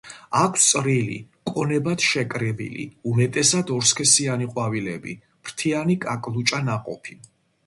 აქვთ წვრილი, კონებად შეკრებილი, უმეტესად ორსქესიანი ყვავილები, ფრთიანი კაკლუჭა ნაყოფი.